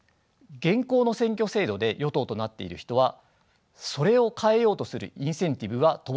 現行の選挙制度で与党となっている人はそれを変えようとするインセンティブは乏しいでしょう。